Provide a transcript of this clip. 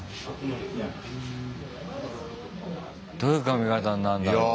どういう髪形になるんだろう。